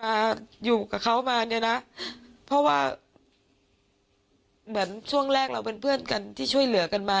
มาอยู่กับเขามาเนี่ยนะเพราะว่าเหมือนช่วงแรกเราเป็นเพื่อนกันที่ช่วยเหลือกันมา